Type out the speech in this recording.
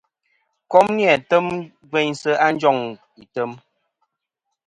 Kom ni-a tem gveynsɨ̀ a njoŋ item.